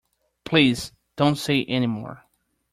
Please don't say any more.